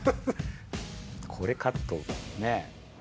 これ、カットね。